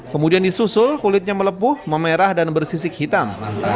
kemudian disusul kulitnya melepuh memerah dan bersisik hitam